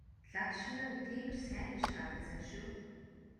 Лагшин нь тийм ч сайн биш харагдсан шүү.